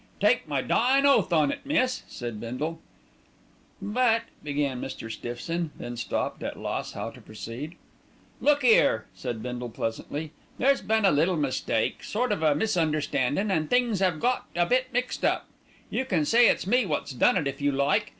"Take my dyin' oath on it, miss," said Bindle. "But " began Mr. Stiffson, then stopped, at loss how to proceed. "Look 'ere," said Bindle pleasantly, "there's been a little mistake, sort of a misunderstandin', an' things 'ave got a bit mixed. You can say it's me wot's done it if you like.